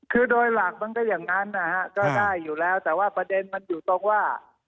คือโดยหลักมันก็อย่างนั้นนะฮะก็ได้อยู่แล้วแต่ว่าประเด็นมันอยู่ตรงว่า